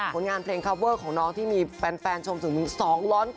ผลงานเพลงคาวเวอร์ของน้องที่มีแฟนชมถึง๒๐๐กว่า